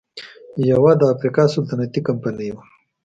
یوه د افریقا سلطنتي کمپنۍ وه.